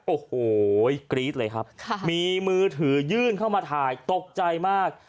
โอ้โหกรี๊ดเลยครับมีมือถือยื่นเข้ามาถ่ายตกใจมาก